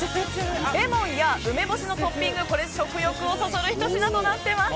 レモンや梅干しのトッピングが食欲をそそるひと品となっています。